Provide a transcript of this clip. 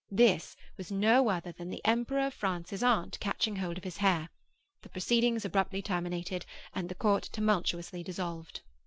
This was no other than the Emperor of France's aunt catching hold of his hair. The proceedings abruptly terminated, and the court tumultuously dissolved.